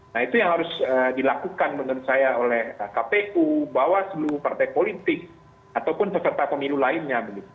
nah itu yang harus dilakukan menurut saya oleh kpu bawaslu partai politik ataupun peserta pemilu lainnya